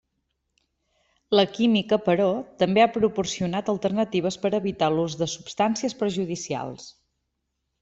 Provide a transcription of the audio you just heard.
La química, però, també ha proporcionat alternatives per evitar l'ús de substàncies perjudicials.